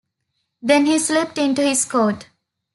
Then he slipped into his coat.